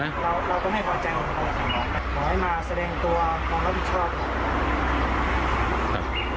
เราก็ไม่เข้าใจว่าเขาทำอะไรขอให้มาแสดงตัวของรับผิดชอบ